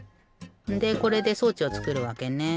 でこれで装置をつくるわけね。